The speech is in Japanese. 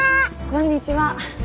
こんにちは。